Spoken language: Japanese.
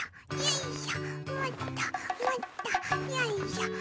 よいしょ！